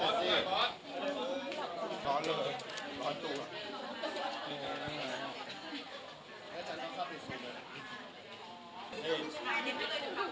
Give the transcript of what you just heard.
โอเคขอบคุณแบงค์จ้า